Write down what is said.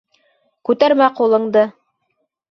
Күтәрмә ҡулыңды!